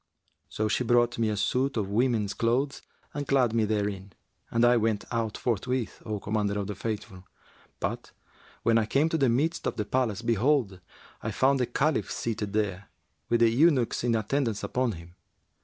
So she brought me a suit of women's clothes and clad me therein; and I went out forthwith, O Commander of the Faithful; but, when I came to the midst of the palace, behold, I found the Caliph seated there, with the eunuchs in attendance upon him.